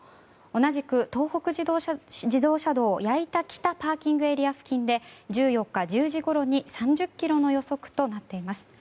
同じく東北自動車道矢板北ＰＡ付近で１４日１０時ごろに３０ｋｍの予測となっています。